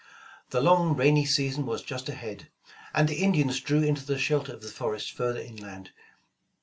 The long rainy season was just ahead, and the Indians drew into the shelter of the forest further inland.